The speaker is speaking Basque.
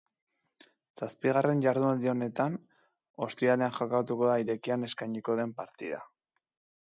Zazpigarren jardunaldi honetan ostirlean jokatuko da irekian eskainiko den partida.